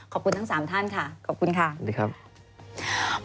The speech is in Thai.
ขอบคุณทั้ง๓ท่านค่ะขอบคุณค่ะนี่ครับ